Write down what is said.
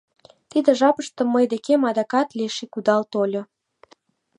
Тиде жапыште мый декем адакат Леший кудал тольо.